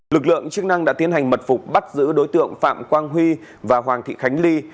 lực lượng chức năng đã tiến hành mật phục bắt giữ đối tượng phạm quang huy và hoàng thị khánh ly